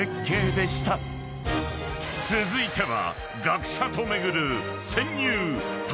［続いては］